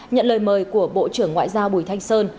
nhận lời mời của bộ trưởng ngoại giao bùi thanh sơn